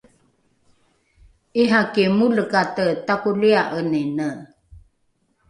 ’iraki molekate takolia’enine